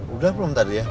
udah belum tadi ya